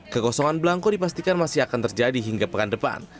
kekosongan belangko dipastikan masih akan terjadi hingga pekan depan